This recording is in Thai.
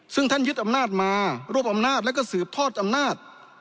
ซึ่งท่านยึดอำนาจมารวบอำนาจแล้วก็สืบทอดอำนาจ